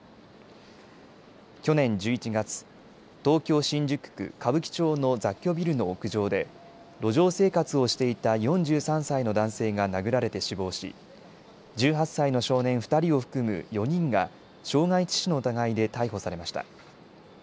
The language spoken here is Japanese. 去年１１月、東京新宿区歌舞伎町の雑居ビルの屋上で路上生活をしていた４３歳の男性が殴られて死亡し１８歳の少年２人を含む４人が傷害致死の疑いで逮捕されました。